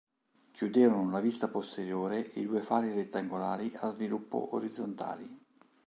Chiudevano la vista posteriore i due fari rettangolari a sviluppo orizzontali.